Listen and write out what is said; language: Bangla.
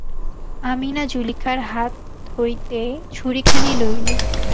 আমিনা জুলিখার হাত হইতে ছুরিখানি লইল।